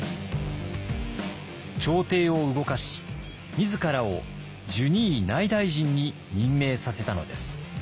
朝廷を動かし自らを従二位内大臣に任命させたのです。